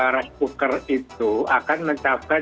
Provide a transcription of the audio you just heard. raspoker itu akan mencapai